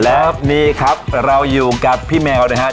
แล้วนี่ครับเราอยู่กับพี่แมวนะครับ